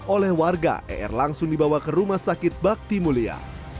oleh warga er langsung dibawa ke rumah sakit bakti mulia